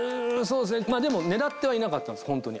でも狙ってはいなかったんですホントに。